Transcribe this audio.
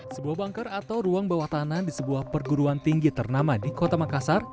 sebuah banker atau ruang bawah tanah di sebuah perguruan tinggi ternama di kota makassar